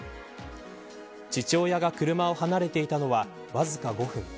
父親が車を離れていたのはわずか５分。